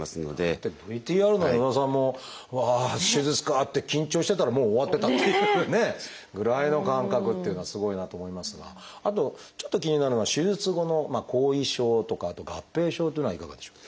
ＶＴＲの与田さんもうわ手術かって緊張してたらもう終わってたっていうねぐらいの感覚っていうのはすごいなと思いますがあとちょっと気になるのは手術後の後遺症とかあと合併症というのはいかがでしょう？